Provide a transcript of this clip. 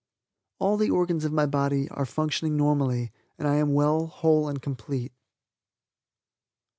All the organs of my body are functioning normally and I am well, whole and complete.